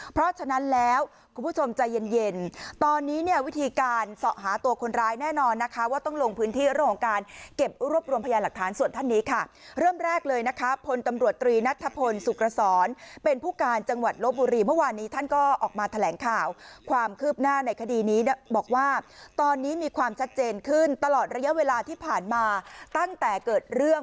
เพราะฉะนั้นแล้วคุณผู้ชมใจเย็นเย็นตอนนี้เนี่ยวิธีการเสาะหาตัวคนร้ายแน่นอนนะคะว่าต้องลงพื้นที่เรื่องของการเก็บรวบรวมพยานหลักฐานส่วนท่านนี้ค่ะเริ่มแรกเลยนะคะพลตำรวจตรีนัทธพลสุขรสรเป็นผู้การจังหวัดลบบุรีเมื่อวานนี้ท่านก็ออกมาแถลงข่าวความคืบหน้าในคดีนี้บอกว่าตอนนี้มีความชัดเจนขึ้นตลอดระยะเวลาที่ผ่านมาตั้งแต่เกิดเรื่อง